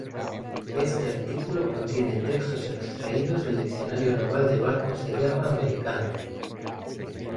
Este artículo contiene textos extraídos del Diccionario naval de barcos de guerra americanos.